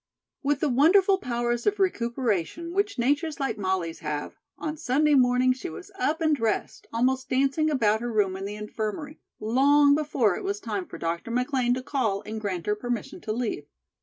With the wonderful powers of recuperation which natures like Molly's have, on Sunday morning she was up and dressed, almost dancing about her room in the infirmary, long before it was time for Dr. McLean to call and grant her permission to leave.